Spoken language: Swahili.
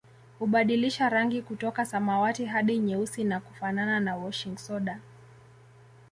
Hubadilisha rangi kutoka samawati hadi nyeusi na kufanana na washing soda